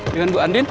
dengan bu andin